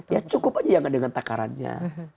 ya cukup aja jangan dengan takarannya